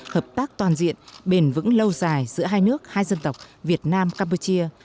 hợp tác toàn diện bền vững lâu dài giữa hai nước hai dân tộc việt nam campuchia